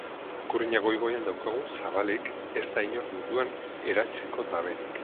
Ikurriña goi-goian daukagu zabalik ez da iñor munduan eratsiko dabenik.